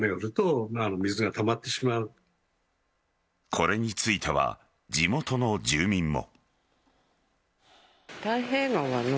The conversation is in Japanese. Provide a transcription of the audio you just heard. これについては地元の住民も。